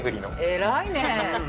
偉いね。